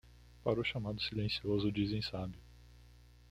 Para o chamado silencioso dizem sábio.